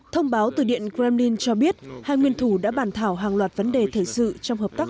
thông báo từ điện kremlin cho biết hai nguyên thủ đã bàn thảo hàng loạt vấn đề thể sự trong hợp tác